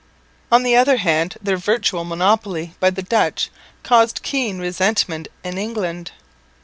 On the other hand their virtual monopoly by the Dutch caused keen resentment in England.